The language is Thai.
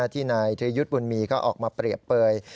ที่นายธิรยุทธ์บุญมีก็ออกมาเปรียบเปลย